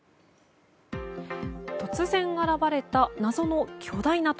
突然現れた謎の巨大な鳥。